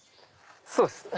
そうです。